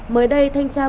mới đây thanh tra bố